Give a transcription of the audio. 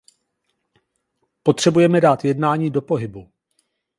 Potřebujeme dát jednání do pohybu.